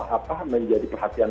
apa menjadi perhatian